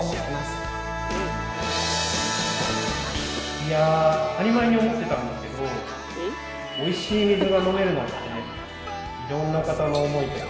いや当たり前に思ってたんですけどおいしい水が飲めるのっていろんな方の思いとか。